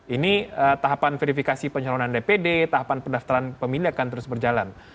ini tahapan verifikasi penyalonan dpd tahapan pendaftaran pemilih akan terus berjalan